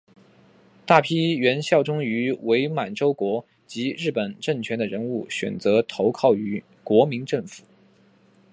大批原效忠于伪满洲国及日本政权的人物选择投靠于国民政府。